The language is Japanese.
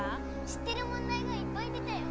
知ってる問題がいっぱい出たよ。